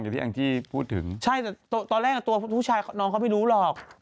อย่างที่แองจี้พูดถึงใช่แต่ตอนแรกตัวผู้ชายน้องเขาไม่รู้หรอก